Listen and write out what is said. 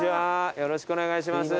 よろしくお願いします。